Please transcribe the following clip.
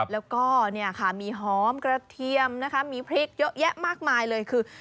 แล้วก็เนี่ยค่ะมีหอมกระเทียมนะคะมีพริกเยอะแยะมากมายเลยคือ